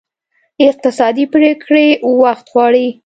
اقتصادي پرېکړې وخت غواړي.